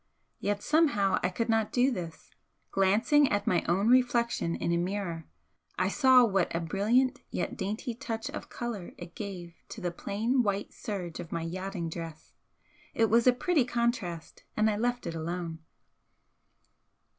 Yet somehow I could not do this. Glancing at my own reflection in a mirror, I saw what a brilliant yet dainty touch of colour it gave to the plain white serge of my yachting dress, it was a pretty contrast, and I left it alone.